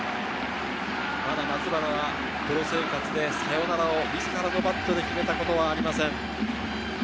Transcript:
まだ松原はプロ生活でサヨナラを自らのバットで決めたことはありません。